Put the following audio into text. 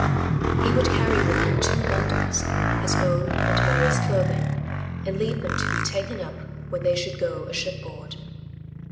He would carry with him two bundles, his own and Mary's clothing, and leave them to be taken up when they should go a shipboard.